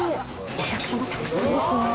お客さんもたくさんいますね。